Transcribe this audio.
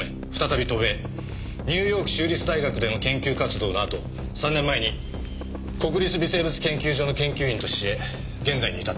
ニューヨーク州立大学での研究活動のあと３年前に国立微生物研究所の研究員として現在に至ってます。